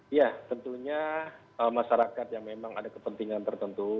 iya tentunya masyarakat yang memang ada kepentingan tertentu